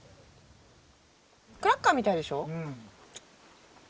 クラッカーみたいでしょ。